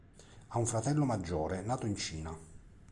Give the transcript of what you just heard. Ha un fratello maggiore, nato in Cina.